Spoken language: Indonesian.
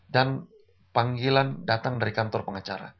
dan panggilan datang dari kantor pengacara